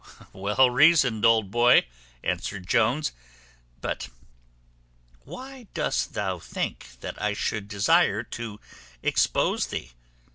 "Well reasoned, old boy," answered Jones; "but why dost thou think that I should desire to expose thee?